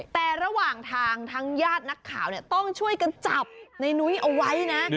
แต่ระหว่างทางทั้งญาตินักข่าวต้องช่วยกันจับในนุ้ยเอาไว้นะ